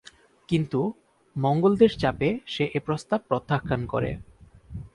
কিন্তু মঙ্গোলদের চাপে সে এ প্রস্তাব প্রত্যাখ্যান করে।